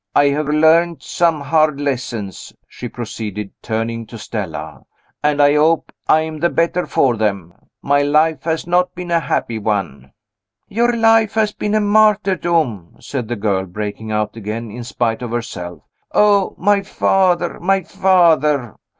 I have learned some hard lessons," she proceeded, turning to Stella, "and I hope I am the better for them. My life has not been a happy one " "Your life has been a martyrdom!" said the girl, breaking out again in spite of herself. "Oh, my father! my father!"